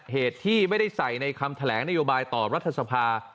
เหตุที่ไม่ได้ใส่ในคำแถลงนโยบายต่อรัฐสภา